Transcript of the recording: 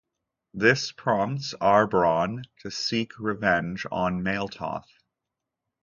This prompts Aarbron to seek revenge on Maletoth.